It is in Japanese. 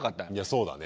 そうだね。